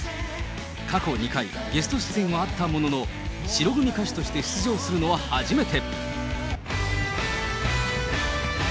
過去２回、ゲスト出演はあったものの、白組歌手として出場するのは初めて。